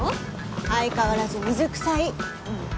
相変わらず水くさい。